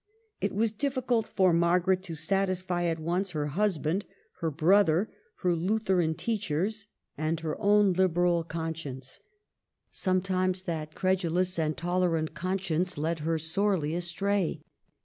It was difficult for Margaret to satisfy at once her husband, her brother, her Lutheran teachers, NJ^RAC IN 15Ji5. 281 and her own liberal conscience. Sometimes that credulous and tolerant conscience led her sorely astray.